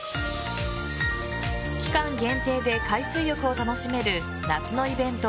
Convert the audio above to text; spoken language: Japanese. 期間限定で海水浴を楽しめる夏のイベント